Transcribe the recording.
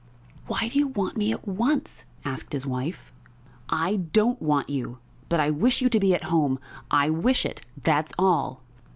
"Why do you want me at once?" asked his wife. "I don't want you, but I wish you to be at home. I wish it, that's all."